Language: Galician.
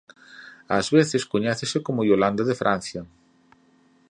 Ás veces coñécese como "Iolanda de Francia.